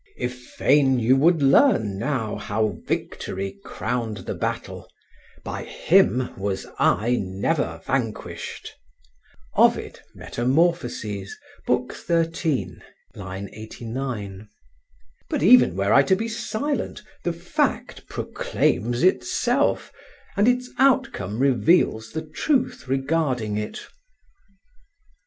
if fain you would learn now How victory crowned the battle, by him was I never vanquished." (Ovid, "Metamorphoses," XIII, 89.) But even were I to be silent, the fact proclaims itself, and its outcome reveals the truth regarding it.